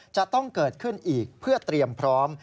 จะต้องเกิดขึ้นอีกเพื่อเตรียมพร้อม